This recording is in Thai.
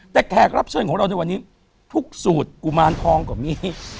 แต่แขกรับเชิญของเราในวันนี้ทุกสูตรกุมารทองก็มี